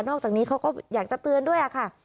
อกจากนี้เขาก็อยากจะเตือนด้วยค่ะ